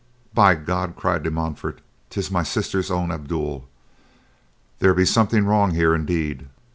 "By God," cried De Montfort, "tis my sister's own Abdul. There be something wrong here indeed."